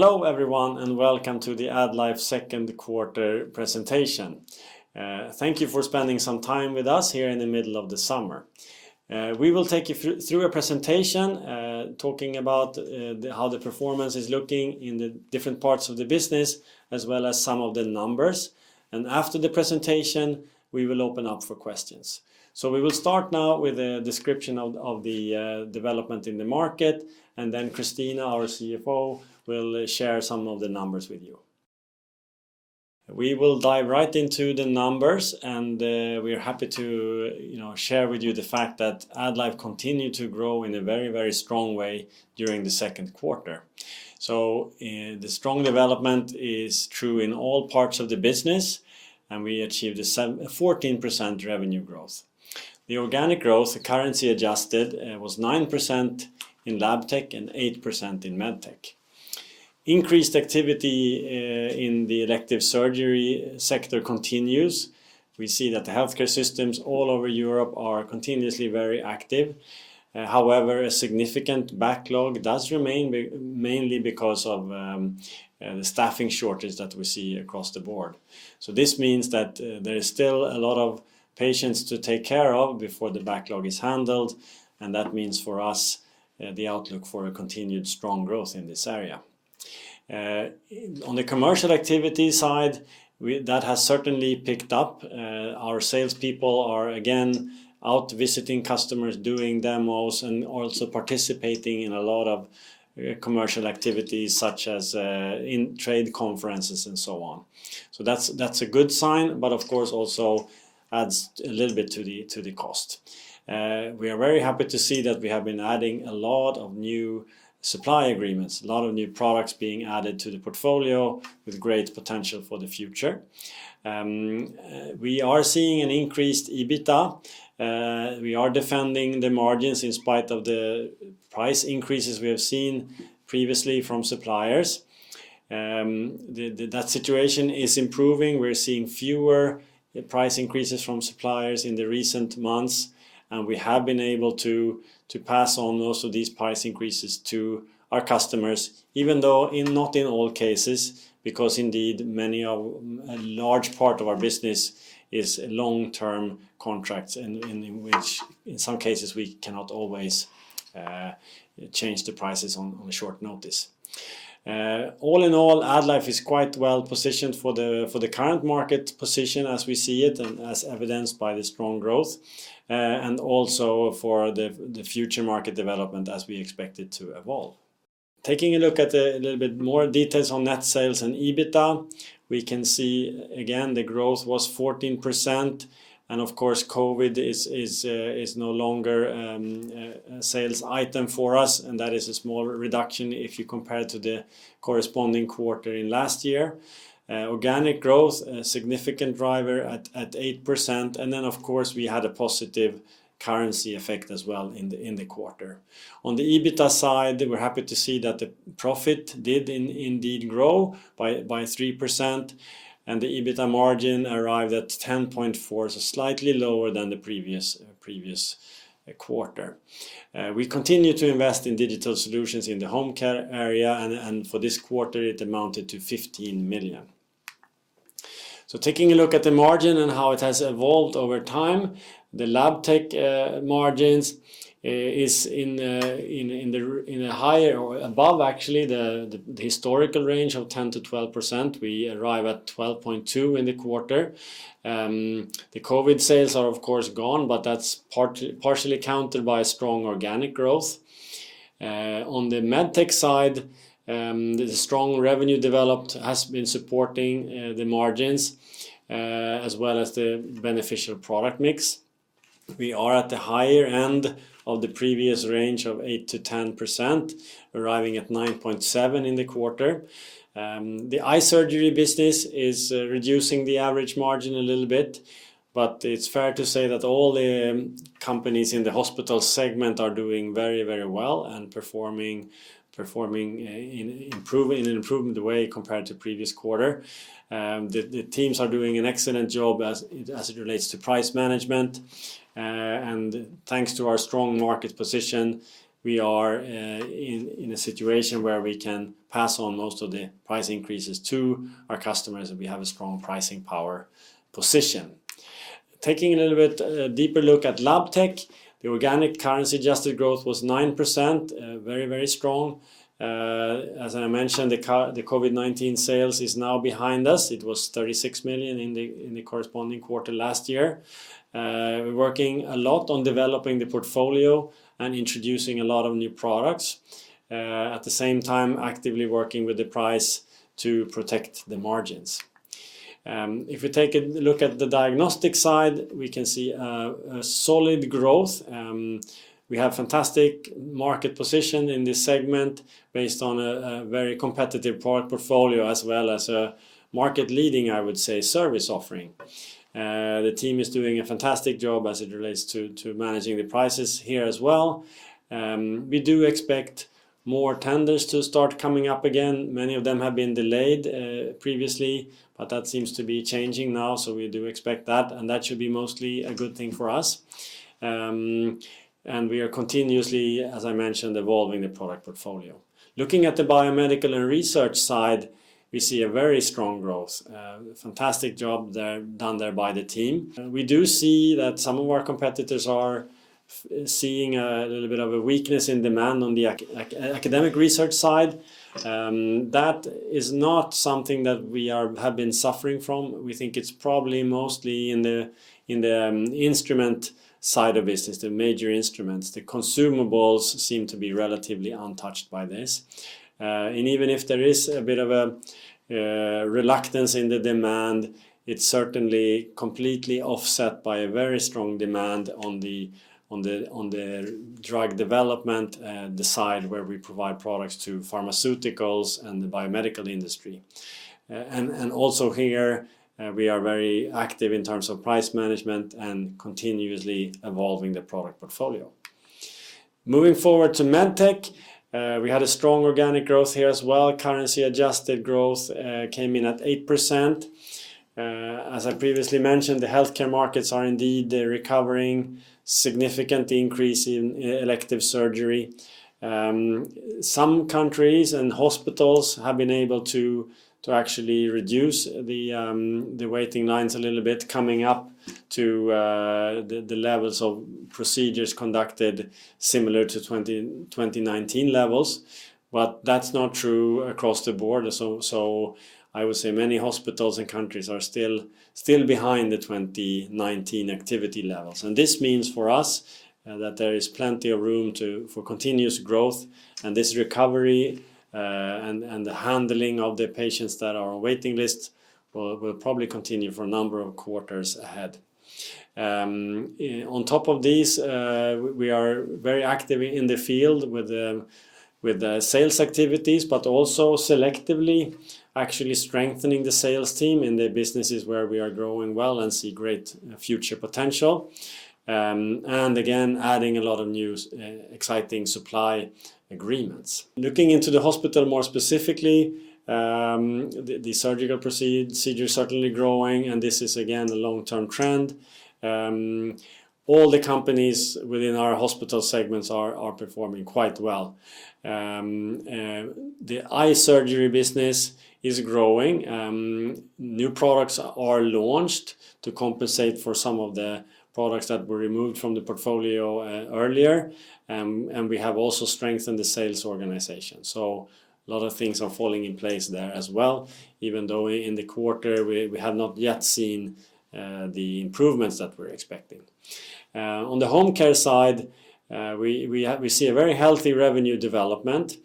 Hello everyone, welcome to the AddLife Q2 presentation. Thank you for spending some time with us here in the middle of the summer. We will take you through a presentation, talking about how the performance is looking in the different parts of the business, as well as some of the numbers. After the presentation, we will open up for questions. We will start now with a description of the development in the market, and then Christina, our CFO, will share some of the numbers with you. We will dive right into the numbers, and we are happy to, you know, share with you the fact that AddLife continued to grow in a very, very strong way during the Q2. The strong development is true in all parts of the business, and we achieved a 7... 14% revenue growth. The organic growth, the currency adjusted, was 9% in Labtech and 8% in Medtech. Increased activity in the elective surgery sector continues. We see that the healthcare systems all over Europe are continuously very active. However, a significant backlog does remain mainly because of the staffing shortage that we see across the board. This means that there is still a lot of patients to take care of before the backlog is handled, and that means for us, the outlook for a continued strong growth in this area. On the commercial activity side, that has certainly picked up. Our salespeople are again out visiting customers, doing demos, and also participating in a lot of commercial activities, such as in trade conferences and so on. That's a good sign, but of course, also adds a little bit to the cost. We are very happy to see that we have been adding a lot of new supply agreements, a lot of new products being added to the portfolio with great potential for the future. We are seeing an increased EBITDA. We are defending the margins in spite of the price increases we have seen previously from suppliers. That situation is improving. We're seeing fewer price increases from suppliers in the recent months, and we have been able to pass on most of these price increases to our customers, even though in not in all cases, because indeed, many of, a large part of our business is long-term contracts, in which in some cases, we cannot always change the prices on short notice. All in all, AddLife is quite well positioned for the current market position as we see it, and as evidenced by the strong growth, and also for the future market development as we expect it to evolve. Taking a look at a little bit more details on net sales and EBITDA, we can see again, the growth was 14%, of course, COVID is no longer a sales item for us, that is a small reduction if you compare it to the corresponding quarter in last year. Organic growth, a significant driver at 8%, and then, of course, we had a positive currency effect as well in the quarter. On the EBITDA side, we're happy to see that the profit did indeed grow by 3%, and the EBITDA margin arrived at 10.4, so slightly lower than the previous quarter. We continue to invest in digital solutions in the home care area, and for this quarter, it amounted to 15 million. Taking a look at the margin and how it has evolved over time, the Labtech margins is in the a higher or above actually, the historical range of 10%-12%. We arrive at 12.2 in the quarter. The COVID sales are of course gone, but that's partially countered by strong organic growth. On the Medtech side, the strong revenue developed has been supporting the margins as well as the beneficial product mix. We are at the higher end of the previous range of 8%-10%, arriving at 9.7% in the quarter. The eye surgery business is reducing the average margin a little bit, but it's fair to say that all the companies in the hospital segment are doing very, very well and performing, improving, in an improved way compared to the previous quarter. The teams are doing an excellent job as it relates to price management. Thanks to our strong market position, we are in a situation where we can pass on most of the price increases to our customers, and we have a strong pricing power position. Taking a little bit deeper look at Labtech, the organic currency-adjusted growth was 9%. Very, very strong. As I mentioned, the COVID-19 sales is now behind us. It was 36 million in the corresponding quarter last year. We're working a lot on developing the portfolio and introducing a lot of new products, at the same time, actively working with the price to protect the margins. If we take a look at the diagnostic side, we can see a solid growth. We have fantastic market position in this segment based on a very competitive product portfolio, as well as a market-leading, I would say, service offering. The team is doing a fantastic job as it relates to managing the prices here as well. We do expect more tenders to start coming up again. Many of them have been delayed previously, but that seems to be changing now, so we do expect that, and that should be mostly a good thing for us. We are continuously, as I mentioned, evolving the product portfolio. Looking at the biomedical and research side, we see a very strong growth, fantastic job there, done there by the team. We do see that some of our competitors are seeing a little bit of a weakness in demand on the academic research side. That is not something that we have been suffering from. We think it's probably mostly in the instrument side of business, the major instruments. The consumables seem to be relatively untouched by this. Even if there is a bit of a reluctance in the demand, it's certainly completely offset by a very strong demand on the drug development side where we provide products to pharmaceuticals and the biomedical industry. Also here, we are very active in terms of price management and continuously evolving the product portfolio. Moving forward to MedTech, we had a strong organic growth here as well. Currency-adjusted growth came in at 8%. As I previously mentioned, the healthcare markets are indeed recovering, significant increase in elective surgery. Some countries and hospitals have been able to actually reduce the waiting lines a little bit, coming up to the levels of procedures conducted similar to 2019 levels, but that's not true across the board. I would say many hospitals and countries are still behind the 2019 activity levels. This means for us that there is plenty of room for continuous growth and this recovery and the handling of the patients that are on waiting lists will probably continue for a number of quarters ahead. On top of these, we are very active in the field with the sales activities, but also selectively actually strengthening the sales team in the businesses where we are growing well and see great future potential. Again, adding a lot of new, exciting supply agreements. Looking into the hospital more specifically, the surgical procedure is certainly growing, and this is again, a long-term trend. All the companies within our hospital segments are performing quite well. The eye surgery business is growing. New products are launched to compensate for some of the products that were removed from the portfolio earlier. We have also strengthened the sales organization. A lot of things are falling in place there as well, even though in the quarter, we have not yet seen the improvements that we're expecting. On the home care side, we see a very healthy revenue development.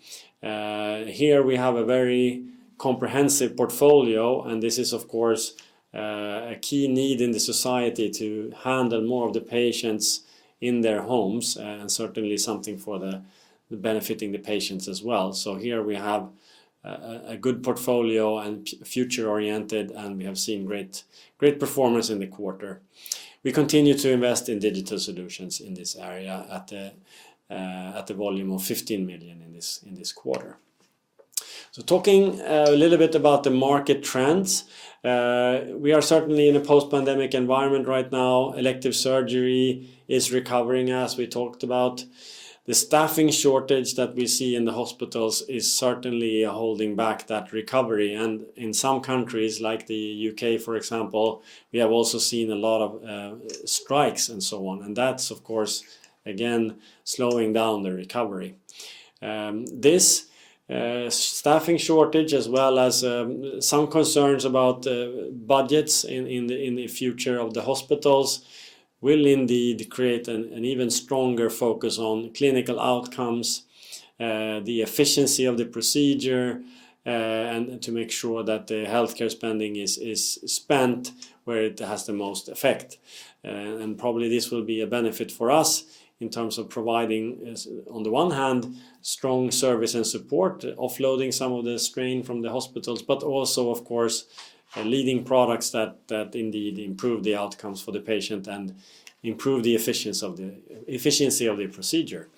Here we have a very comprehensive portfolio, and this is, of course, a key need in the society to handle more of the patients in their homes, and certainly something for the, benefiting the patients as well. Here we have a good portfolio and future-oriented, and we have seen great performance in the quarter. We continue to invest in digital solutions in this area at a volume of 15 million in this, in this quarter. Talking a little bit about the market trends, we are certainly in a post-pandemic environment right now. Elective surgery is recovering, as we talked about. The staffing shortage that we see in the hospitals is certainly holding back that recovery. In some countries, like the UK, for example, we have also seen a lot of strikes and so on. That's, of course, again, slowing down the recovery. This staffing shortage, as well as some concerns about budgets in the future of the hospitals, will indeed create an even stronger focus on clinical outcomes, the efficiency of the procedure, and to make sure that the healthcare spending is spent where it has the most effect. Probably this will be a benefit for us in terms of providing, as on the one hand, strong service and support, offloading some of the strain from the hospitals, but also, of course, leading products that indeed improve the outcomes for the patient and improve the efficiency of the procedure.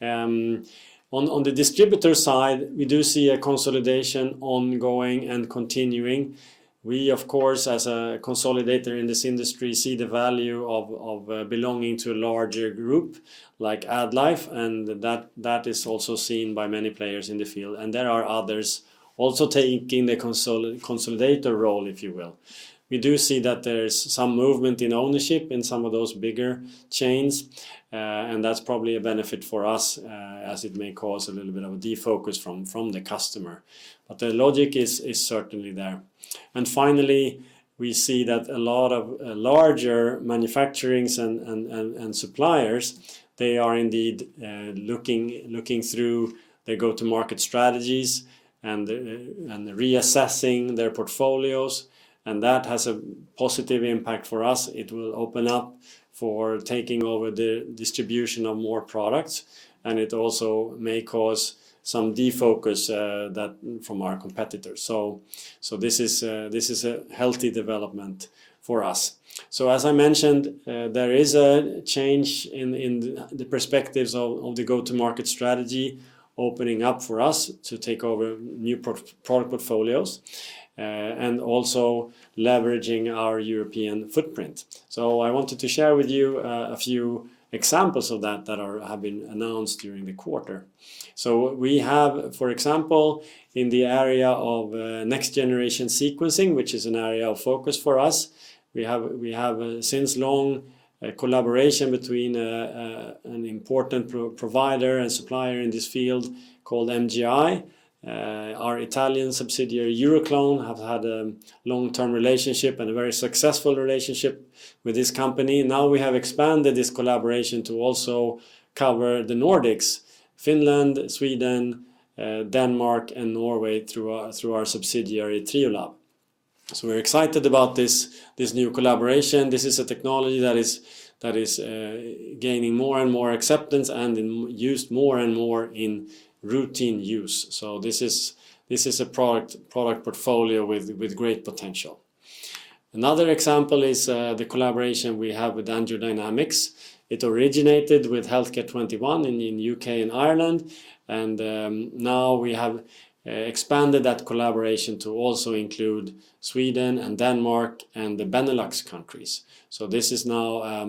On the distributor side, we do see a consolidation ongoing and continuing. We, of course, as a consolidator in this industry, see the value of belonging to a larger group like AddLife, and that is also seen by many players in the field. There are others also taking the consolidator role, if you will. We do see that there is some movement in ownership in some of those bigger chains. That's probably a benefit for us, as it may cause a little bit of a defocus from the customer. The logic is certainly there. Finally, we see that a lot of, larger manufacturings and suppliers, they are indeed, looking through their go-to-market strategies and reassessing their portfolios. That has a positive impact for us. It will open up for taking over the distribution of more products. It also may cause some defocus, that from our competitors. This is a healthy development for us. As I mentioned, there is a change in the perspectives of the go-to-market strategy, opening up for us to take over new product portfolios and also leveraging our European footprint. I wanted to share with you a few examples of that that have been announced during the quarter. We have, for example, in the area of next-generation sequencing, which is an area of focus for us, we have, since long, a collaboration between an important provider and supplier in this field called MGI. Our Italian subsidiary, Euroclone, have had a long-term relationship and a very successful relationship with this company. Now we have expanded this collaboration to also cover the Nordics, Finland, Sweden, Denmark, and Norway through our subsidiary, Triolab. We're excited about this new collaboration. This is a technology that is gaining more and more acceptance and used more and more in routine use. This is a product portfolio with great potential. Another example is the collaboration we have with AngioDynamics. It originated with Healthcare 21 in UK and Ireland, and now we have expanded that collaboration to also include Sweden and Denmark and the Benelux countries. This is now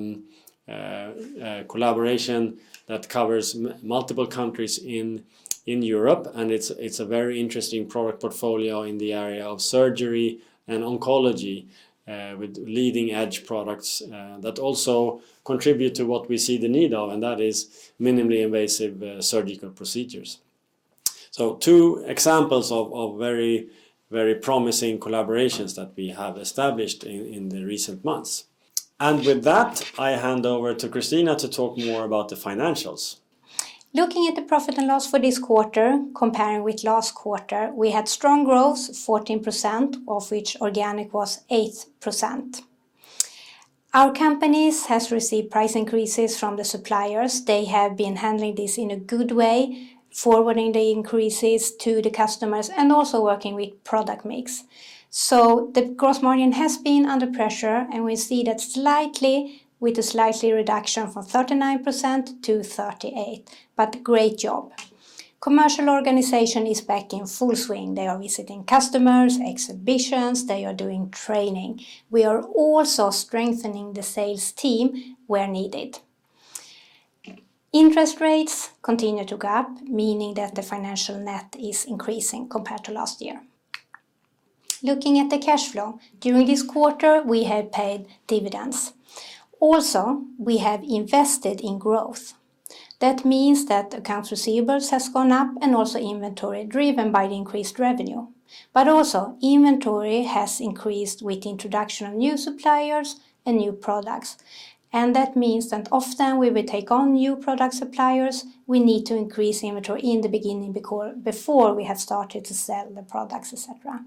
a collaboration that covers multiple countries in Europe, and it's a very interesting product portfolio in the area of surgery and oncology, with leading-edge products that also contribute to what we see the need of, and that is minimally invasive surgical procedures. Two examples of very promising collaborations that we have established in the recent months. With that, I hand over to Christina to talk more about the financials. Looking at the profit and loss for this quarter, comparing with last quarter, we had strong growth, 14%, of which organic was 8%. Our companies has received price increases from the suppliers. They have been handling this in a good way, forwarding the increases to the customers, and also working with product mix. The gross margin has been under pressure, and we see that slightly with a slightly reduction from 39% to 38%, but great job. Commercial organization is back in full swing. They are visiting customers, exhibitions, they are doing training. We are also strengthening the sales team where needed. Interest rates continue to go up, meaning that the financial net is increasing compared to last year. Looking at the cash flow, during this quarter, we have paid dividends. We have invested in growth. That means that accounts receivables has gone up and also inventory driven by the increased revenue. Also, inventory has increased with the introduction of new suppliers and new products. That means that often we will take on new product suppliers, we need to increase inventory in the beginning, before we have started to sell the products, et cetera.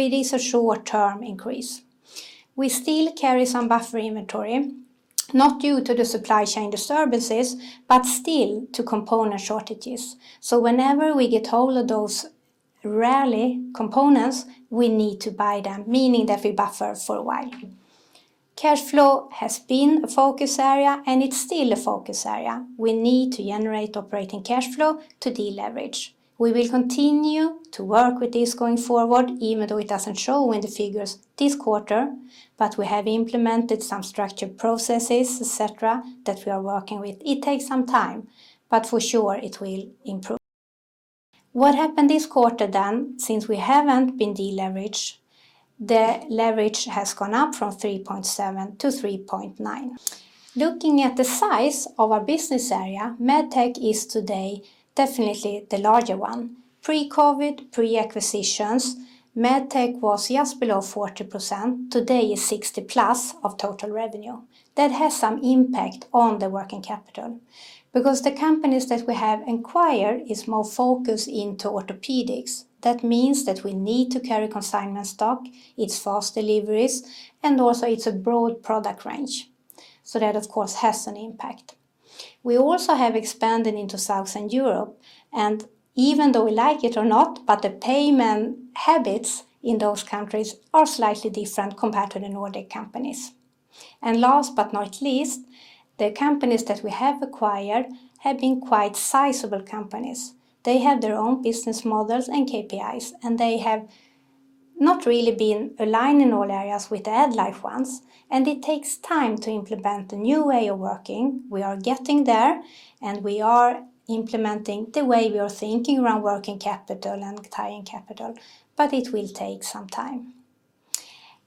It is a short-term increase. We still carry some buffer inventory, not due to the supply chain disturbances, but still to component shortages. Whenever we get hold of those rarely components, we need to buy them, meaning that we buffer for a while. Cash flow has been a focus area, and it's still a focus area. We need to generate operating cash flow to deleverage. We will continue to work with this going forward, even though it doesn't show in the figures this quarter, we have implemented some structured processes, et cetera, that we are working with. It takes some time, but for sure it will improve. What happened this quarter then, since we haven't been deleveraged, the leverage has gone up from 3.7 to 3.9. Looking at the size of our business area, Medtech is today definitely the larger one. Pre-COVID, pre-acquisitions, Medtech was just below 40%. Today, it's 60+ of total revenue. That has some impact on the working capital. Because the companies that we have acquired is more focused into orthopedics. That means that we need to carry consignment stock, it's fast deliveries, and also it's a broad product range. That, of course, has an impact. We also have expanded into Southern Europe, and even though we like it or not, but the payment habits in those countries are slightly different compared to the Nordic companies. Last but not least, the companies that we have acquired have been quite sizable companies. They have their own business models and KPIs, and they have not really been aligned in all areas with the AddLife ones, and it takes time to implement a new way of working. We are getting there, and we are implementing the way we are thinking around working capital and tying capital, but it will take some time.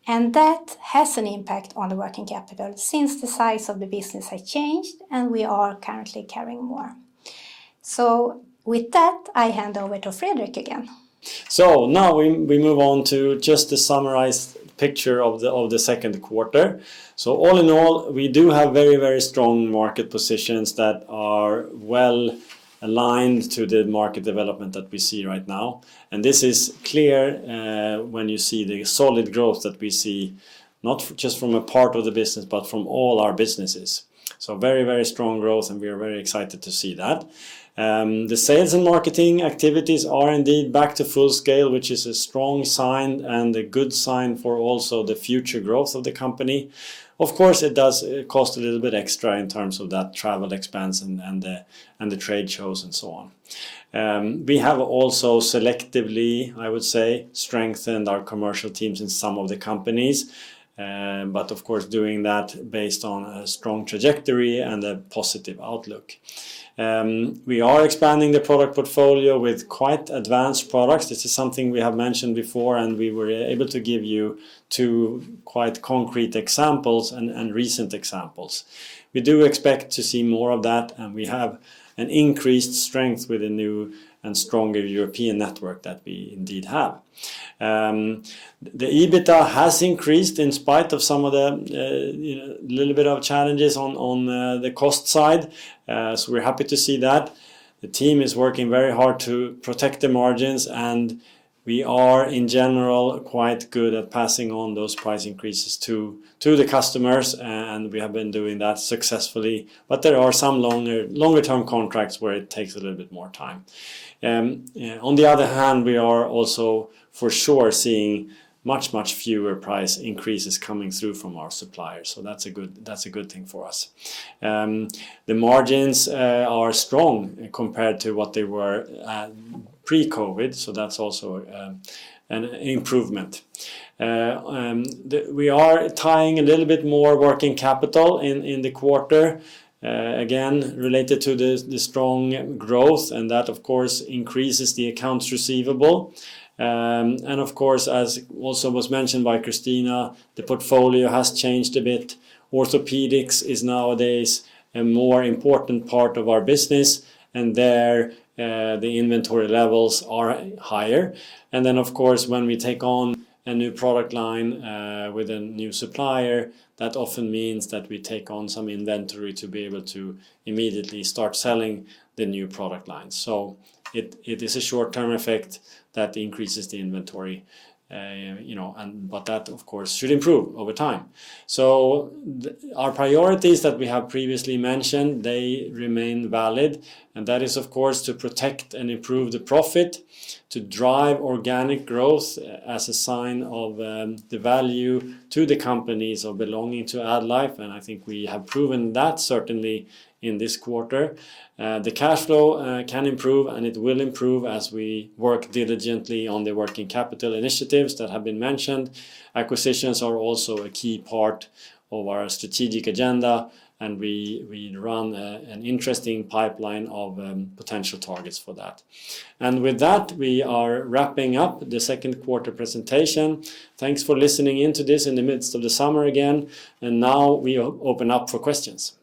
That has an impact on the working capital since the size of the business has changed and we are currently carrying more. With that, I hand over to Fredrik again. Now we move on to just the summarized picture of the Q2. All in all, we do have very strong market positions that are well aligned to the market development that we see right now. This is clear when you see the solid growth that we see, not just from a part of the business, but from all our businesses. Very strong growth, and we are very excited to see that. The sales and marketing activities are indeed back to full scale, which is a strong sign and a good sign for also the future growth of the company. Of course, it does cost a little bit extra in terms of that travel expense and the trade shows, and so on. We have also selectively, I would say, strengthened our commercial teams in some of the companies, but of course, doing that based on a strong trajectory and a positive outlook. We are expanding the product portfolio with quite advanced products. This is something we have mentioned before, and we were able to give you two quite concrete examples and recent examples. We do expect to see more of that, and we have an increased strength with the new and stronger European network that we indeed have. The EBITDA has increased in spite of some of the, you know, little bit of challenges on, the cost side. We're happy to see that. The team is working very hard to protect the margins, and we are, in general, quite good at passing on those price increases to the customers, and we have been doing that successfully. There are some longer-term contracts where it takes a little bit more time. On the other hand, we are also, for sure, seeing much fewer price increases coming through from our suppliers, so that's a good thing for us. The margins are strong compared to what they were pre-COVID-19, so that's also an improvement. We are tying a little bit more working capital in the quarter again, related to the strong growth, and that, of course, increases the accounts receivable. Of course, as also was mentioned by Christina, the portfolio has changed a bit. Orthopedics is nowadays a more important part of our business. There, the inventory levels are higher. Of course, when we take on a new product line with a new supplier, that often means that we take on some inventory to be able to immediately start selling the new product line. It is a short-term effect that increases the inventory. You know, that, of course, should improve over time. The, our priorities that we have previously mentioned, they remain valid, and that is, of course, to protect and improve the profit, to drive organic growth as a sign of the value to the companies of belonging to AddLife, I think we have proven that certainly in this quarter. The cash flow can improve, and it will improve as we work diligently on the working capital initiatives that have been mentioned. Acquisitions are also a key part of our strategic agenda, and we run an interesting pipeline of potential targets for that. With that, we are wrapping up the Q2 presentation. Thanks for listening in to this in the midst of the summer again, and now we open up for questions.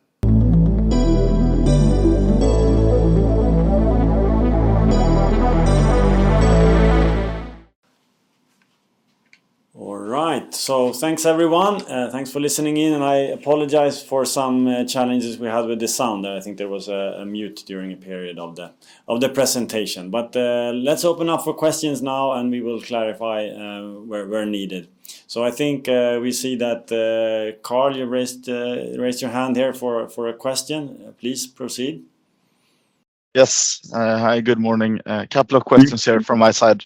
All right. Thanks, everyone. Thanks for listening in, and I apologize for some challenges we had with the sound. I think there was a mute during a period of the presentation. Let's open up for questions now, and we will clarify where needed. I think we see that, Carl, you raised your hand here for a question. Please proceed. Yes. Hi, good morning. A couple of questions here from my side.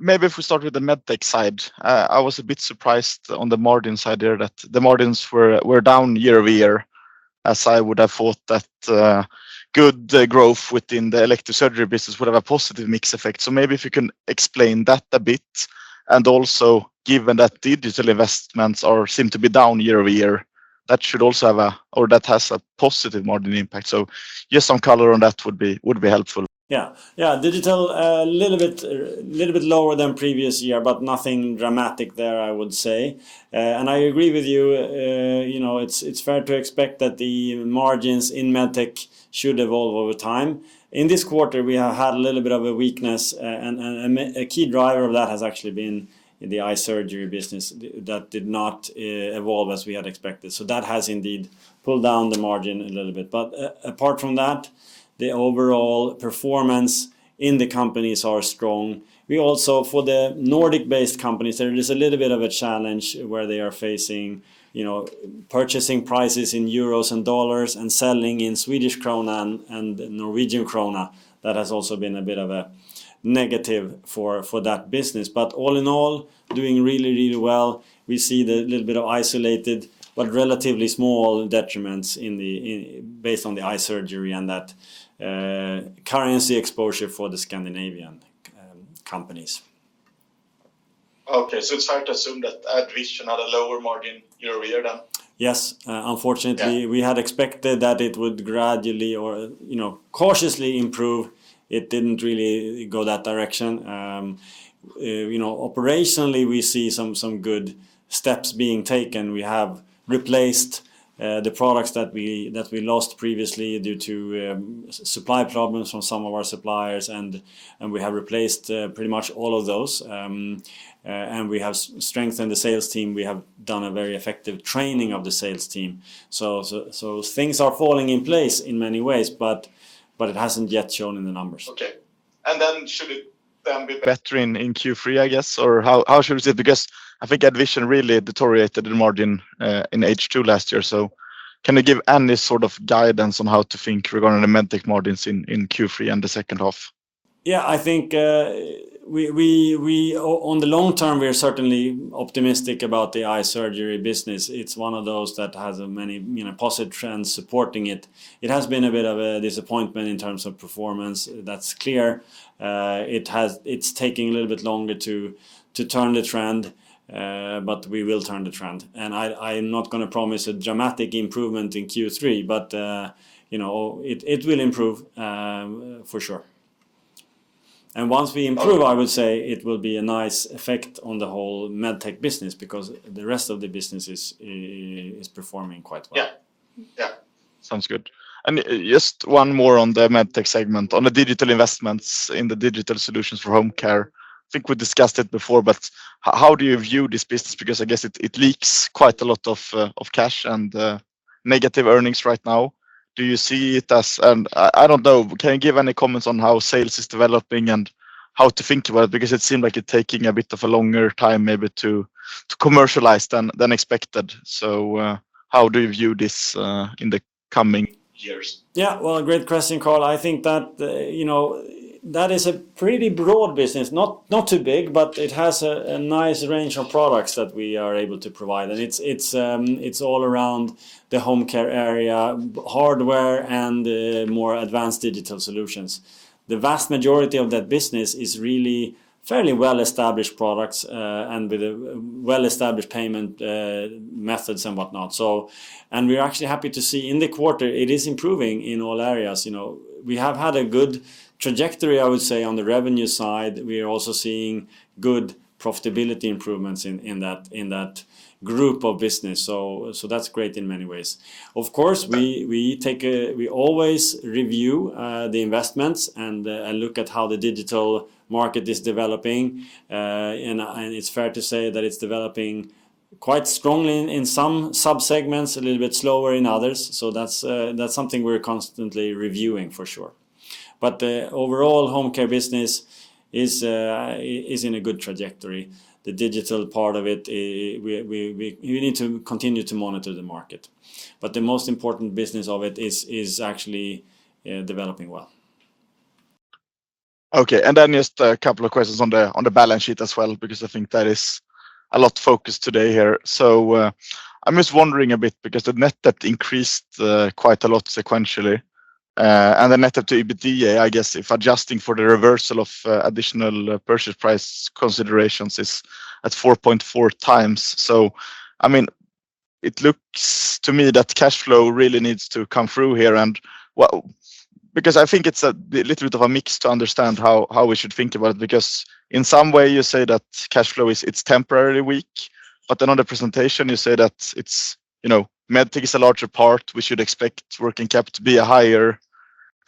Maybe if we start with the Medtech side. I was a bit surprised on the margin side there, that the margins were down year-over-year, as I would have thought that good growth within the electrosurgery business would have a positive mix effect. Maybe if you can explain that a bit. Given that digital investments are, seem to be down year-over-year, that should also have or that has a positive margin impact. Just some color on that would be helpful. Digital, a little bit lower than previous year, nothing dramatic there, I would say. I agree with you. You know, it's fair to expect that the margins in Medtech should evolve over time. In this quarter, we have had a little bit of a weakness, and a key driver of that has actually been in the eye surgery business, that did not evolve as we had expected. That has indeed pulled down the margin a little bit. Apart from that, the overall performance in the companies are strong. We also, for the Nordic-based companies, there is a little bit of a challenge where they are facing, you know, purchasing prices in euros and dollars and selling in Swedish krona and Norwegian krona. That has also been a bit of a negative for that business. All in all, doing really well. We see the little bit of isolated, but relatively small detriments in the... based on the eye surgery and that currency exposure for the Scandinavian companies. Okay, it's fair to assume that AddVision had a lower margin year over year, then? Yes. Yeah So we had expected that it would gradually or, you know, cautiously improve. It didn't really go that direction. You know, operationally, we see some good steps being taken. We have replaced the products that we, that we lost previously due to supply problems from some of our suppliers, and we have replaced pretty much all of those. We have strengthened the sales team. We have done a very effective training of the sales team. Things are falling in place in many ways, but it hasn't yet shown in the numbers. Okay. Should it then be better in Q3, I guess, or how should we say? I think AddVision really deteriorated the margin in H2 last year. Can you give any sort of guidance on how to think regarding the Medtech margins in Q3 and the second half? Yeah, I think, we, on the long term, we are certainly optimistic about the eye surgery business. It's one of those that has many, you know, positive trends supporting it. It has been a bit of a disappointment in terms of performance. That's clear. It's taking a little bit longer to turn the trend, but we will turn the trend. I'm not gonna promise a dramatic improvement in Q3, but, you know, it will improve for sure. Once we improve, I would say it will be a nice effect on the whole Medtech business, because the rest of the business is performing quite well. Yeah. Yeah, sounds good. Just one more on the MedTech segment. On the digital investments in the digital solutions for home care, I think we discussed it before, but how do you view this business? Because I guess it leaks quite a lot of cash and negative earnings right now. Do you see it as... I don't know, can you give any comments on how sales is developing and how to think about it? Because it seemed like it's taking a bit of a longer time maybe to commercialize than expected. How do you view this in the coming years? Yeah. Well, a great question, Carl. I think that, you know, that is a pretty broad business. Not too big, but it has a nice range of products that we are able to provide, and it's all around the home care area, hardware, and more advanced digital solutions. The vast majority of that business is really fairly well-established products, and with a well-established payment methods and whatnot. We're actually happy to see in the quarter, it is improving in all areas, you know. We have had a good trajectory, I would say, on the revenue side. We are also seeing good profitability improvements in that group of business. That's great in many ways. Of course, we take... We always review the investments and look at how the digital market is developing. It's fair to say that it's developing quite strongly in some subsegments, a little bit slower in others. That's, that's something we're constantly reviewing, for sure. The overall home care business is in a good trajectory. The digital part of it, you need to continue to monitor the market, but the most important business of it is actually developing well. Just a couple of questions on the balance sheet as well, because I think that is a lot focused today here. I'm just wondering a bit, because the net debt increased quite a lot sequentially. The net debt to EBITDA, I guess, if adjusting for the reversal of additional purchase price considerations, is at 4.4 times. I mean, it looks to me that cash flow really needs to come through here, and well... I think it's a little bit of a mix to understand how we should think about it, because in some way, you say that cash flow is, it's temporarily weak, but then on the presentation, you say that it's, you know, MedTech is a larger part. We should expect working capital to be a higher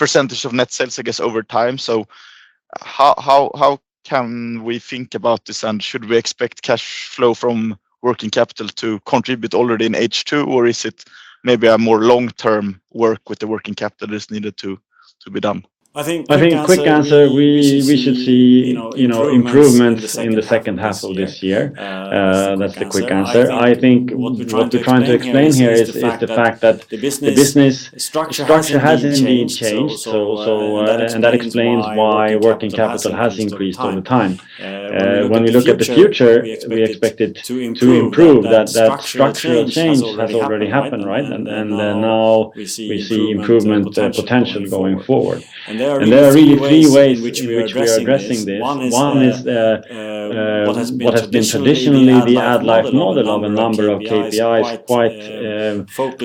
% of net sales, I guess, over time. How can we think about this, and should we expect cash flow from working capital to contribute already in H2, or is it maybe a more long-term work with the working capital is needed to be done? I think the quick answer. I think- We should see, you know, improvements in the second half of this year. That's the quick answer. I think what we're trying to explain here... Is the fact that. The. The structure. structure has indeed changed. That explains why working capital has increased over time. When we look at the future, we expect it to improve, that structural change has already happened, right? Now we see improvement potential going forward. There are really three ways in which we are addressing this. One is what has been traditionally the AddLife model of a number of KPIs, quite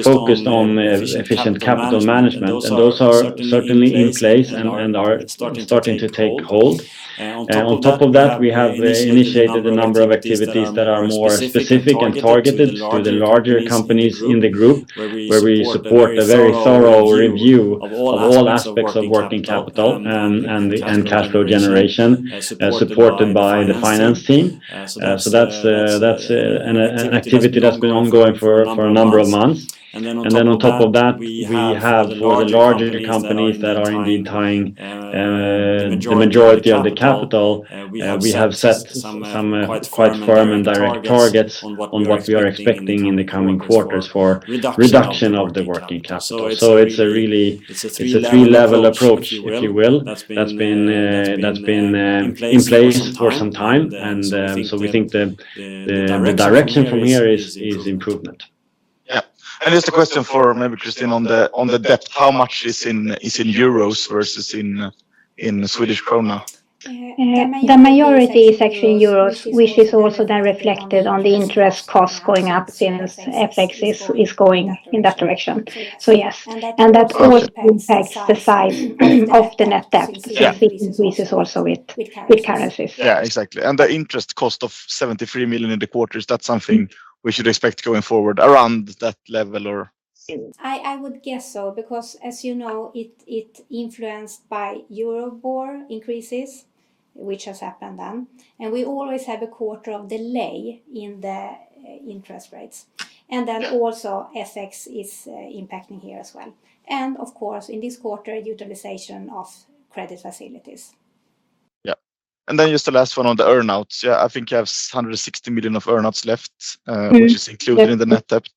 focused on efficient capital management, and those are certainly in place and are starting to take hold. On top of that, we have initiated a number of activities that are more specific and targeted to the larger companies in the group, where we support a very thorough review of all aspects of working capital and cash flow generation, supported by the finance team. That's an activity that's been ongoing for a number of months. Then on top of that, we have the larger companies that are indeed tying the majority of the capital. We have set some quite firm and direct targets on what we are expecting in the coming quarters for reduction of the working capital. It's a three-level approach, if you will, that's been in place for some time. We think the direction from here is improvement. Yeah. Just a question for maybe Christina on the debt. How much is in euros versus in Swedish krona? The majority is actually in EUR, which is also then reflected on the interest cost going up since FX is going in that direction. Yes, and that also impacts the size of the net debt. Yeah. It increases also with currencies. Yeah, exactly. The interest cost of 73 million in the quarter, is that something we should expect going forward around that level or? I would guess so, because as you know, it influenced by Euribor increases, which has happened then, we always have a quarter of delay in the interest rates. Yeah. Then also, FX is impacting here as well. Of course, in this quarter, utilization of credit facilities. Yeah. Just the last one on the earn-outs. Yeah, I think you have 160 million of earn-outs left- Mm-hmm... which is included in the net debt.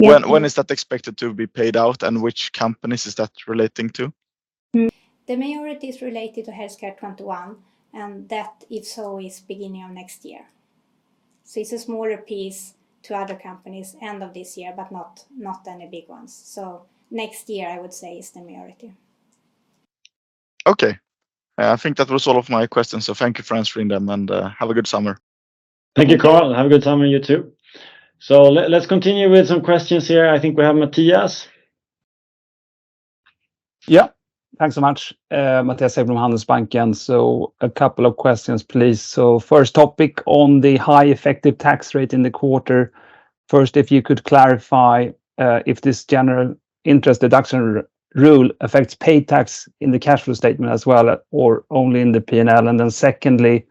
Yeah. When is that expected to be paid out, and which companies is that relating to? The majority is related to Healthcare 21, and that it's always beginning of next year. It's a smaller piece to other companies, end of this year, but not any big ones. Next year, I would say, is the majority. Okay, I think that was all of my questions. Thank you for answering them. Have a good summer. Thank you, Carl. Have a good summer, you too. Let's continue with some questions here. I think we have Mattias? Yeah, thanks so much. Mattias from Handelsbanken. A couple of questions, please. First topic on the high effective tax rate in the quarter. First, if you could clarify, if this general interest deduction rule affects paid tax in the cash flow statement as well, or only in the P&L? Secondly,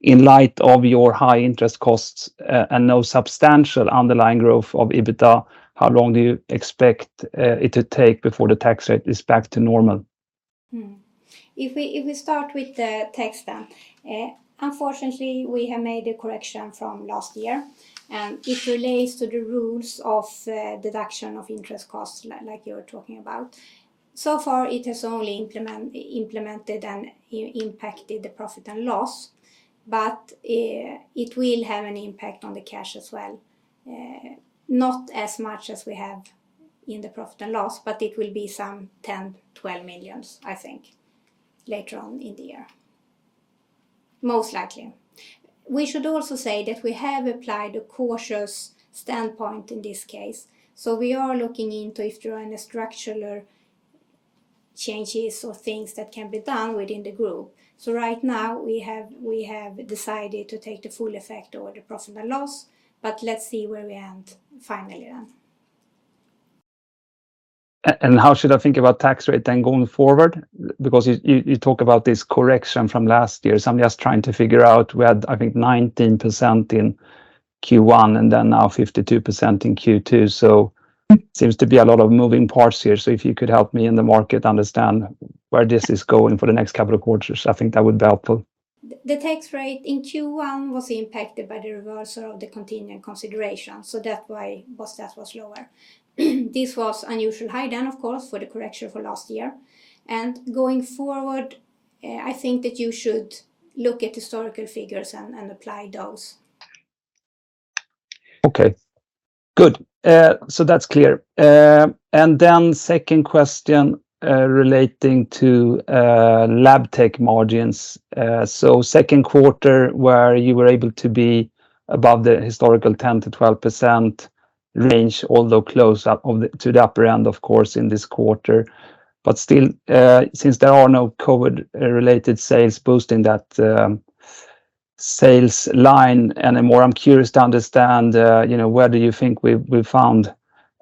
in light of your high interest costs, and no substantial underlying growth of EBITDA, how long do you expect it to take before the tax rate is back to normal? Mm-hmm. If we start with the tax then, unfortunately, we have made a correction from last year, and it relates to the rules of deduction of interest costs, like you were talking about. So far, it has only implemented and impacted the profit and loss. It will have an impact on the cash as well. Not as much as we have in the profit and loss, but it will be some 10 million, 12 million, I think, later on in the year. Most likely. We should also say that we have applied a cautious standpoint in this case, so we are looking into if there are any structural changes or things that can be done within the group. Right now, we have decided to take the full effect or the profit and loss, but let's see where we end finally then. How should I think about tax rate then going forward? You talk about this correction from last year. I'm just trying to figure out, we had, I think, 19% in Q1, and then now 52% in Q2 seems to be a lot of moving parts here. If you could help me and the market understand where this is going for the next couple of quarters, I think that would be helpful. The tax rate in Q1 was impacted by the reversal of the contingent consideration, so that why boss that was lower. This was unusually high down, of course, for the correction for last year. Going forward, I think that you should look at historical figures and apply those. Okay, good. That's clear. 2nd question relating to Labtech margins. Q2 where you were able to be above the historical 10%-12% range, although close up of the, to the upper end, of course, in this quarter. Still, since there are no COVID related sales boost in that sales line, the more I'm curious to understand, you know, where do you think we've found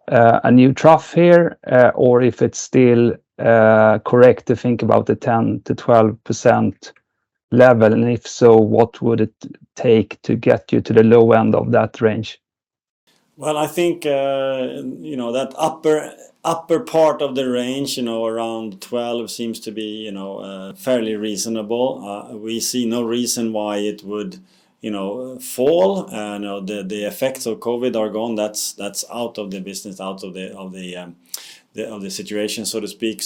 a new trough here? Or if it's still correct to think about the 10%-12% level, if so, what would it take to get you to the low end of that range? Well, I think, you know, that upper part of the range, you know, around 12, seems to be, you know, fairly reasonable. We see no reason why it would, you know, fall. You know, the effects of COVID are gone. That's out of the business, out of the situation, so to speak.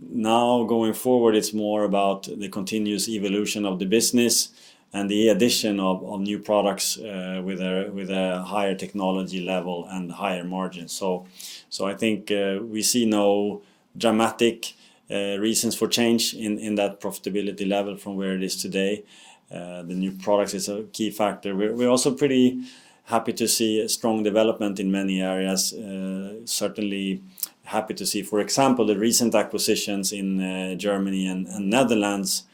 Now, going forward, it's more about the continuous evolution of the business and the addition of new products with a higher technology level and higher margins. I think, we see no dramatic reasons for change in that profitability level from where it is today. The new products is a key factor. We're also pretty happy to see a strong development in many areas. Certainly happy to see, for example, the recent acquisitions in Germany and Netherlands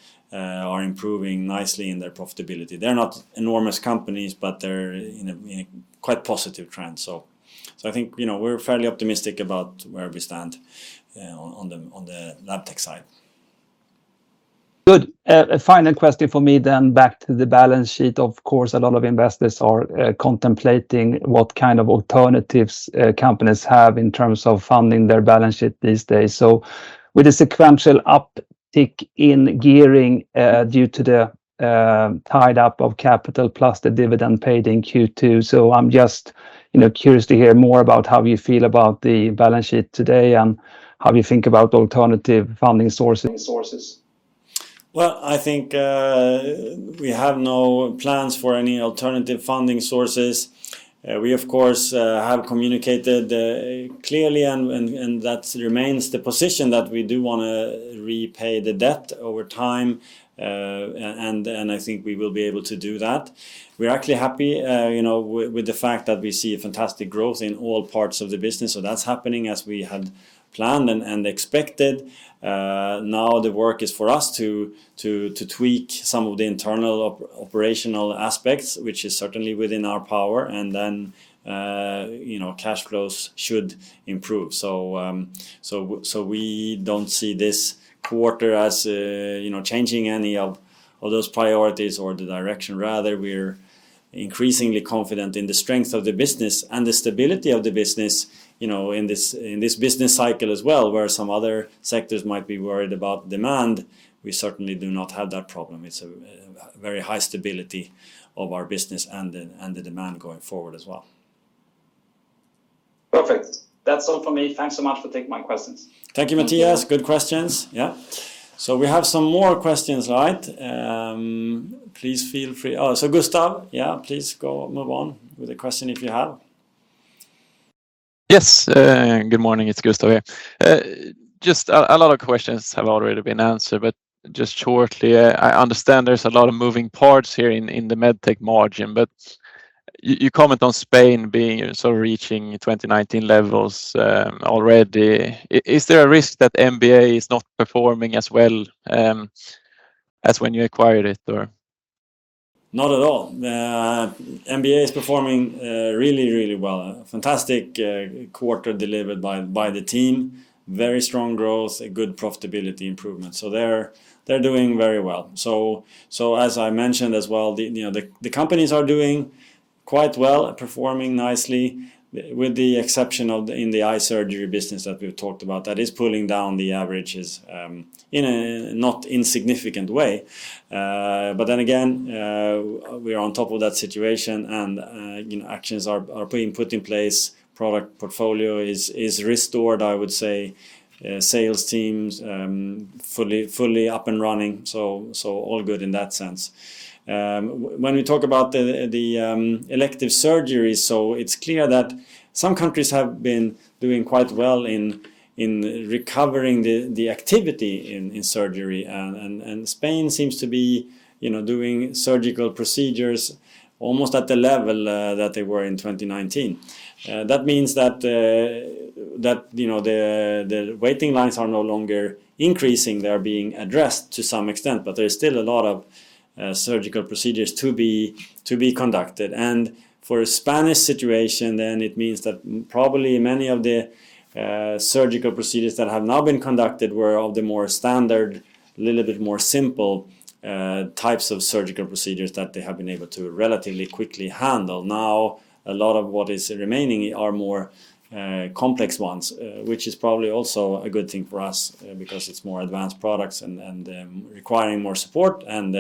are improving nicely in their profitability. They're not enormous companies, but they're in a quite positive trend. I think, you know, we're fairly optimistic about where we stand on the Labtech side. Good. A final question for me then, back to the balance sheet. Of course, a lot of investors are contemplating what kind of alternatives companies have in terms of funding their balance sheet these days. With a sequential uptick in gearing due to the tied up of capital, plus the dividend paid in Q2. I'm just, you know, curious to hear more about how you feel about the balance sheet today, and how you think about alternative funding sourcing, sources. Well, I think, we have no plans for any alternative funding sources. We, of course, have communicated, clearly, and that remains the position that we do wanna repay the debt over time. And I think we will be able to do that. We're actually happy, you know, with the fact that we see a fantastic growth in all parts of the business, so that's happening as we had planned and expected. Now, the work is for us to tweak some of the internal operational aspects, which is certainly within our power, and then, you know, cash flows should improve. We don't see this quarter as, you know, changing any of those priorities or the direction. Rather, we're increasingly confident in the strength of the business and the stability of the business, you know, in this, in this business cycle as well, where some other sectors might be worried about demand. We certainly do not have that problem. It's a very high stability of our business and the demand going forward as well. Perfect. That's all for me. Thanks so much for taking my questions. Thank you, Matthias. Good questions. We have some more questions, right? Please feel free... Gustav, please move on with the question if you have. Yes, good morning. It's Gustav here. Just a lot of questions have already been answered, but just shortly, I understand there's a lot of moving parts here in the Medtech margin. You comment on Spain being sort of reaching 2019 levels already. Is there a risk that MBA is not performing as well as when you acquired it, or? Not at all. MBA is performing really, really well. Fantastic quarter delivered by the team. Very strong growth, a good profitability improvement. They're doing very well. As I mentioned as well, you know, the companies are doing quite well, performing nicely, with the exception of in the eye surgery business that we've talked about, that is pulling down the averages in a not insignificant way. We're on top of that situation, and, you know, actions are being put in place, product portfolio is restored, I would say, sales teams fully up and running. All good in that sense. When we talk about the elective surgery, it's clear that some countries have been doing quite well in recovering the activity in surgery. Spain seems to be, you know, doing surgical procedures almost at the level that they were in 2019. That means that, you know, the waiting lines are no longer increasing. They're being addressed to some extent, there is still a lot of surgical procedures to be conducted. For a Spanish situation, it means that probably many of the surgical procedures that have now been conducted were of the more standard, a little bit more simple, types of surgical procedures that they have been able to relatively quickly handle. A lot of what is remaining are more complex ones, which is probably also a good thing for us, because it's more advanced products and requiring more support and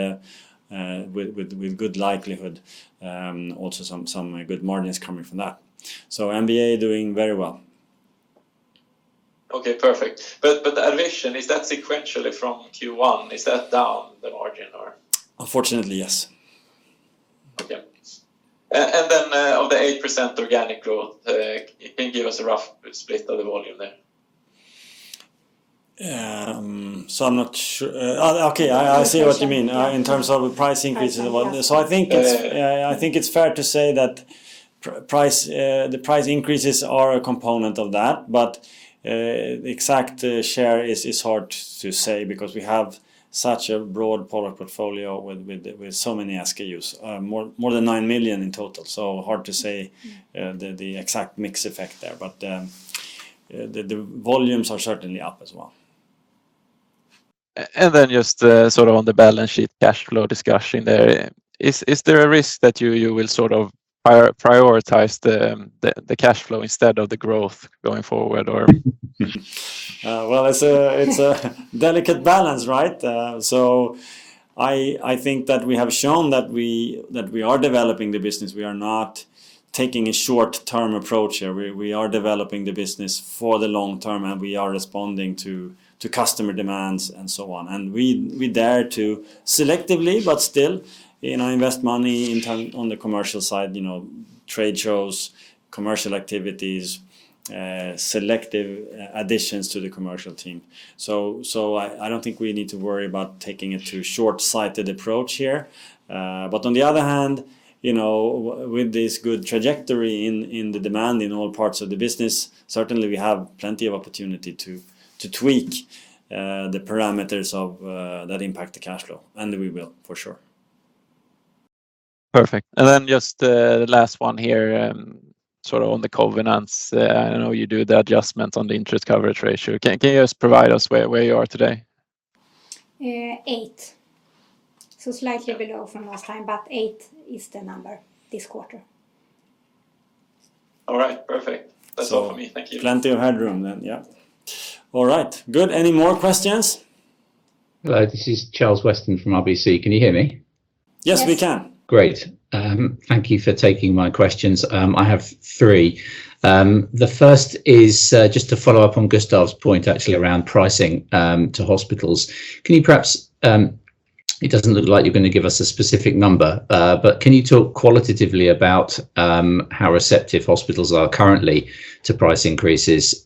with good likelihood, also some good margins coming from that. MBA doing very well. Okay, perfect. The admission, is that sequentially from Q1, is that down the margin, or? Unfortunately, yes. Okay. Of the 8% organic growth, can you give us a rough split of the volume there? I'm not sure. Okay, I see what you mean, in terms of price increases. Yeah. I think it's. Yeah, yeah. I think it's fair to say that price, the price increases are a component of that, but the exact share is hard to say because we have such a broad product portfolio with so many SKUs, more than 9 million in total. Hard to say the exact mix effect there, but the volumes are certainly up as well. Just, sort of on the balance sheet, cash flow discussion there. Is there a risk that you will sort of prioritize the cash flow instead of the growth going forward or? Well, it's a delicate balance, right? I think that we are developing the business. We are not taking a short-term approach here. We are developing the business for the long term, and we are responding to customer demands and so on. We dare to selectively, but still, you know, invest money in turn on the commercial side, you know, trade shows, commercial activities, selective additions to the commercial team. I don't think we need to worry about taking a too short-sighted approach here. On the other hand, you know, with this good trajectory in the demand in all parts of the business, certainly we have plenty of opportunity to tweak the parameters of that impact the cash flow, and we will, for sure. Perfect. Just the last one here, sort of on the covenants. I know you do the adjustment on the interest coverage ratio. Can you just provide us where you are today? 8. Slightly below from last time, but 8 is the number this quarter. All right, perfect. So- That's all for me. Thank you. Plenty of headroom then. Yeah. All right, good. Any more questions? Hello, this is Charles Weston from RBC. Can you hear me? Yes, we can. Yes. Great. Thank you for taking my questions. I have three. The first is just to follow up on Gustav's point, actually, around pricing to hospitals. Can you perhaps, it doesn't look like you're going to give us a specific number, but can you talk qualitatively about how receptive hospitals are currently to price increases?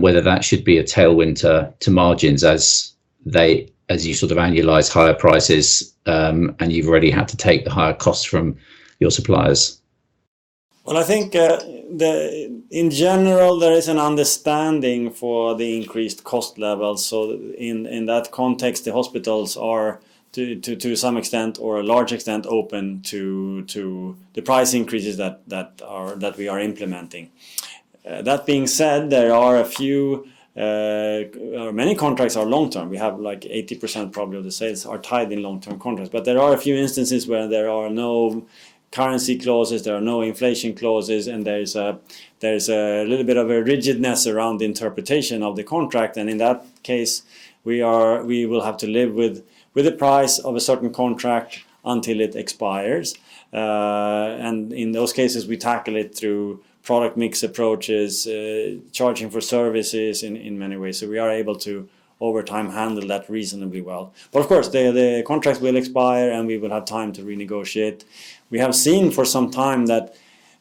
Whether that should be a tailwind to margins as they, as you sort of annualize higher prices, and you've already had to take the higher costs from your suppliers? I think, in general, there is an understanding for the increased cost levels. In that context, the hospitals are to some extent or a large extent, open to the price increases that are, that we are implementing. That being said, there are a few, many contracts are long-term. We have, like, 80% probably of the sales are tied in long-term contracts, but there are a few instances where there are no currency clauses, there are no inflation clauses, and there's a little bit of a rigidness around the interpretation of the contract. In that case, we will have to live with the price of a certain contract until it expires. In those cases, we tackle it through product mix approaches, charging for services in many ways. We are able to, over time, handle that reasonably well. Of course, the contracts will expire, and we will have time to renegotiate. We have seen for some time that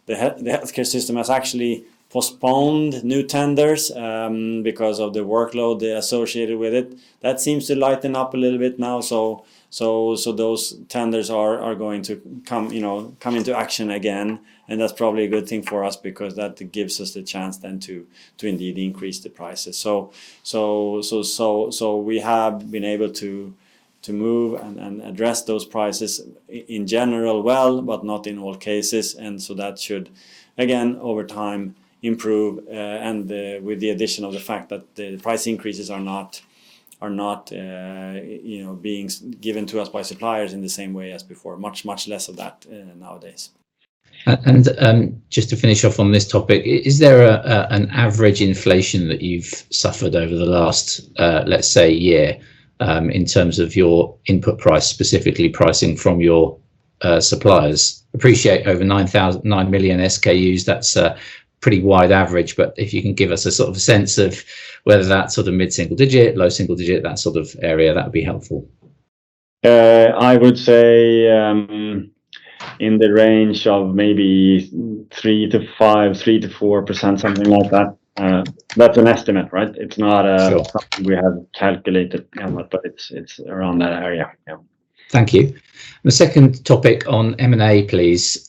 the healthcare system has actually postponed new tenders because of the workload they associated with it. That seems to lighten up a little bit now. Those tenders are going to come, you know, come into action again, and that's probably a good thing for us because that gives us the chance then to indeed increase the prices. We have been able to move and address those prices in general well, but not in all cases. That should, again, over time, improve, and the, with the addition of the fact that the price increases are not, you know, being given to us by suppliers in the same way as before. Much, much less of that, nowadays. Just to finish off on this topic, is there an average inflation that you've suffered over the last, let's say, year, in terms of your input price, specifically pricing from your suppliers? Appreciate over 9 million SKUs, that's a pretty wide average. If you can give us a sort of a sense of whether that's sort of mid-single digit, low single digit, that sort of area, that would be helpful. I would say, in the range of maybe 3%-5%, 3%-4%, something like that. That's an estimate, right? Sure. It's not something we have calculated, but it's around that area. Yeah. Thank you. The second topic on M&A, please.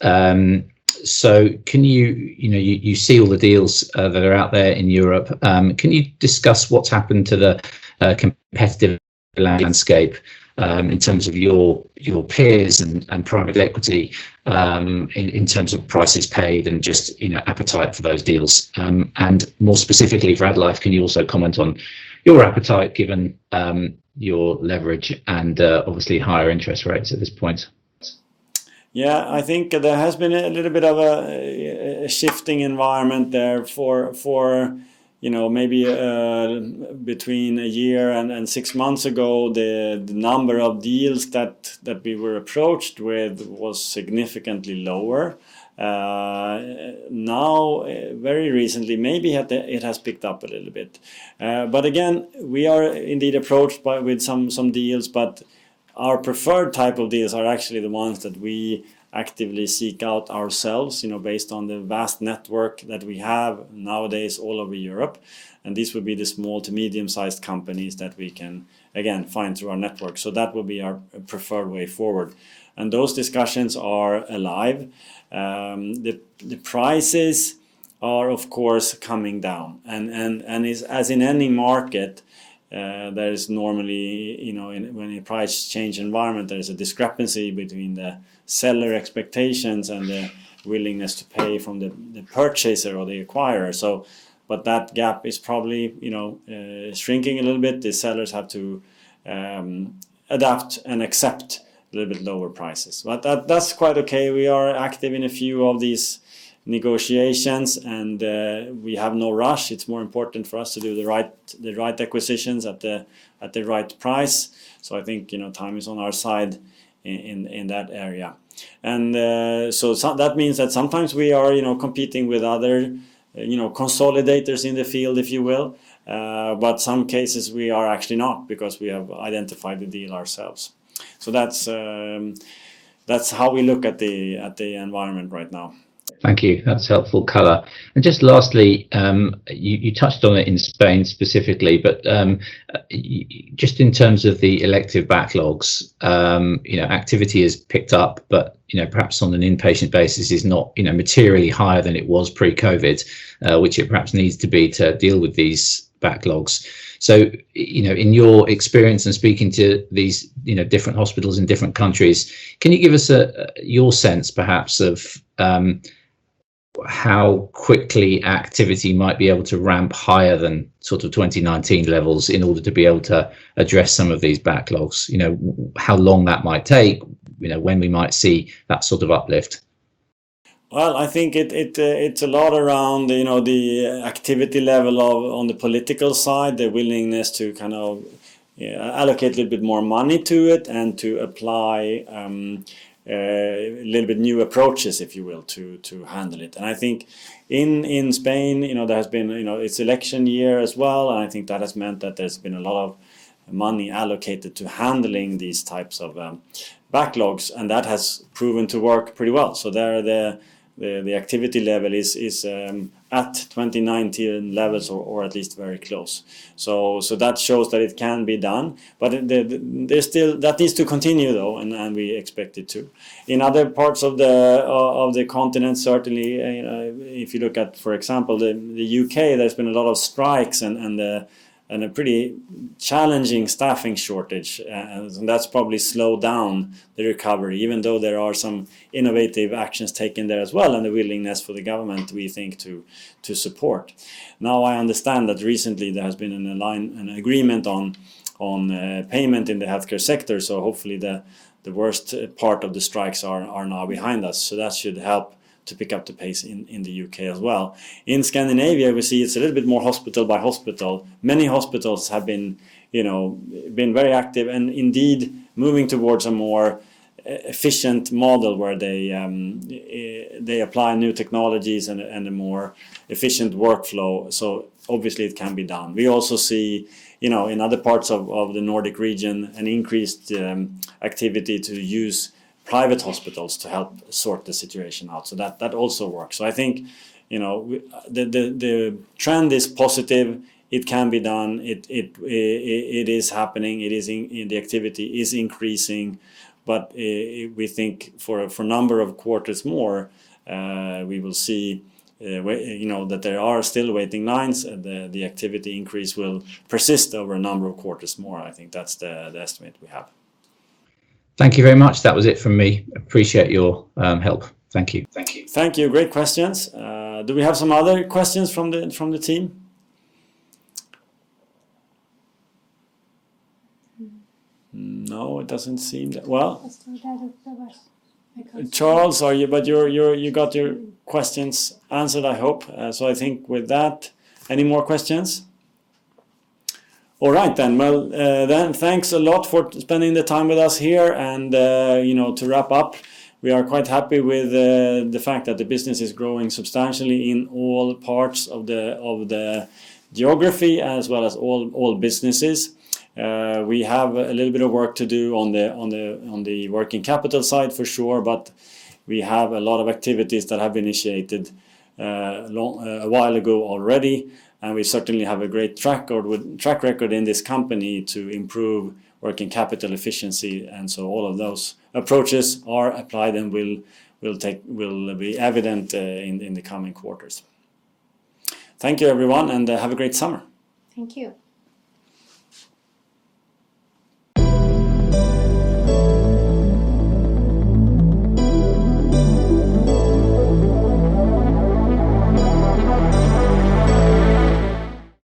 Can you know, you see all the deals that are out there in Europe. Can you discuss what's happened to the competitive landscape in terms of your peers and private equity in terms of prices paid and just, you know, appetite for those deals? More specifically for AddLife, can you also comment on your appetite, given your leverage and, obviously, higher interest rates at this point? Yeah, I think there has been a little bit of a shifting environment there for, you know, maybe between 1 year and 6 months ago, the number of deals that we were approached with was significantly lower. Now, very recently, maybe it has picked up a little bit. Again, we are indeed approached with some deals, but our preferred type of deals are actually the ones that we actively seek out ourselves, you know, based on the vast network that we have nowadays all over Europe, and these would be the small to medium-sized companies that we can, again, find through our network. That would be our preferred way forward. Those discussions are alive. The prices are, of course, coming down. As in any market, there is normally, you know, in, when a price change environment, there is a discrepancy between the seller expectations and the willingness to pay from the purchaser or the acquirer. That gap is probably, you know, shrinking a little bit. The sellers have to adapt and accept a little bit lower prices. That, that's quite okay. We are active in a few of these negotiations, and we have no rush. It's more important for us to do the right, the right acquisitions at the, at the right price. I think, you know, time is on our side in that area. That means that sometimes we are, you know, competing with other, you know, consolidators in the field, if you will. Some cases we are actually not, because we have identified the deal ourselves. That's, that's how we look at the, at the environment right now. Thank you. That's helpful color. Just lastly, you touched on it in Spain specifically, but just in terms of the elective backlogs, you know, activity has picked up, but, you know, perhaps on an inpatient basis is not, you know, materially higher than it was pre-COVID, which it perhaps needs to be to deal with these backlogs. You know, in your experience in speaking to these, you know, different hospitals in different countries, can you give us your sense perhaps of how quickly activity might be able to ramp higher than sort of 2019 levels in order to be able to address some of these backlogs? You know, how long that might take, you know, when we might see that sort of uplift. Well, I think it's a lot around, you know, the activity level of, on the political side, the willingness to kind of allocate a little bit more money to it and to apply a little bit new approaches, if you will, to handle it. I think in Spain, you know, there has been, you know, it's election year as well, and I think that has meant that there's been a lot of money allocated to handling these types of backlogs, and that has proven to work pretty well. There, the activity level is at 2019 levels or at least very close. That shows that it can be done, but there's still. That needs to continue, though, and we expect it to. In other parts of the continent, certainly, if you look at, for example, the U.K., there's been a lot of strikes and a pretty challenging staffing shortage. That's probably slowed down the recovery, even though there are some innovative actions taken there as well, and the willingness for the government, we think, to support. Now, I understand that recently there has been an agreement on payment in the healthcare sector, so hopefully, the worst part of the strikes are now behind us. That should help to pick up the pace in the U.K. as well. In Scandinavia, we see it's a little bit more hospital by hospital. Many hospitals have been, you know, been very active and indeed moving towards a more efficient model, where they apply new technologies and a more efficient workflow, so obviously, it can be done. We also see, you know, in other parts of the Nordic region, an increased activity to use private hospitals to help sort the situation out. That also works. I think, you know, the trend is positive. It can be done. It is happening. The activity is increasing, but we think for a number of quarters more, we will see, you know, that there are still waiting lines, and the activity increase will persist over a number of quarters more. I think that's the estimate we have. Thank you very much. That was it from me. Appreciate your help. Thank you. Thank you. Thank you. Great questions. Do we have some other questions from the, from the team? No, it doesn't seem that. There was. Charles, your, you got your questions answered, I hope. I think with that, any more questions? All right. Well, thanks a lot for spending the time with us here. You know, to wrap up, we are quite happy with the fact that the business is growing substantially in all parts of the geography, as well as all businesses. We have a little bit of work to do on the working capital side, for sure, but we have a lot of activities that have initiated a while ago already, and we certainly have a great track record in this company to improve working capital efficiency, all of those approaches are applied and will take, will be evident in the coming quarters. Thank you, everyone, and have a great summer. Thank you.